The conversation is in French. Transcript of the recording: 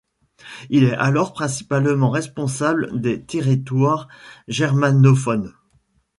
Il est alors principalement responsable des territoires germanophones.